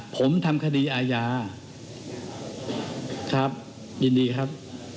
ผมทำคดีอาญาครับยินดีครับ